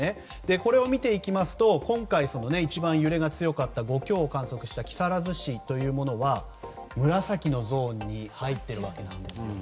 これを見ていきますと今回一番、揺れが強かった５強を観測した木更津市は紫のゾーンに入っているわけです。